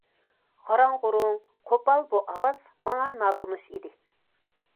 غاراڭ- غۇرۇڭ، قوپال بۇ ئاۋاز ماڭا ناتونۇش ئىدى.